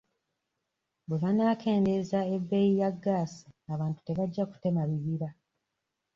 Bwe banaakendeeza ebbeeyi ya gaasi abantu tebajja kutema bibira.